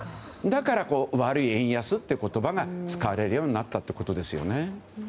だから、悪い円安って言葉が使われるようになったということです。